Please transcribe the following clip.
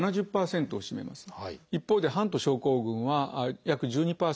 一方でハント症候群は約１２％。